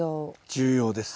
重要です。